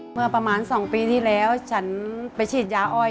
เมื่อประมาณ๒ปีที่แล้วฉันไปฉีดยาอ้อย